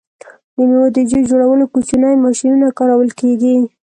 د میوو د جوس جوړولو کوچنۍ ماشینونه کارول کیږي.